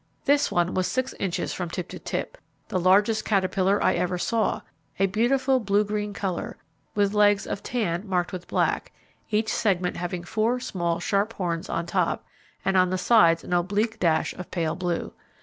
This one was six inches from tip to tip, the largest caterpillar I ever saw; a beautiful blue green colour, with legs of tan marked with black, each segment having four small sharp horns on top, and on the sides an oblique dash of pale blue.